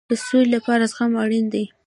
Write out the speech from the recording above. د سولې لپاره زغم اړین دی